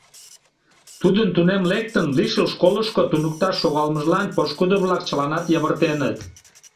Тудын, тунем лектын, лишыл школышко туныкташ шогалмыжлан пошкудо-влак чыланат йывыртеныт.